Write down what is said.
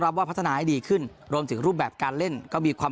ว่าพัฒนาให้ดีขึ้นรวมถึงรูปแบบการเล่นก็มีความ